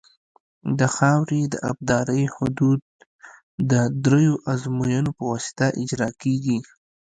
د خاورې د ابدارۍ حدود د دریو ازموینو په واسطه اجرا کیږي